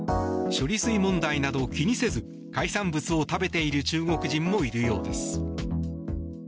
処理水問題などを気にせず海産物を食べている中国人もいるようです。